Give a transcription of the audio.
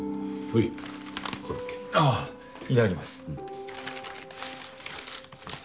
いただきます。